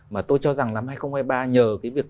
mà tôi cho rằng năm hai nghìn hai mươi ba nhờ cái việc